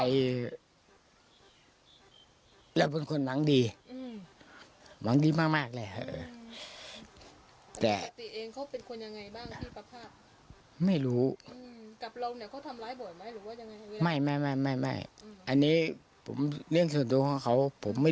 เยื่อยใจ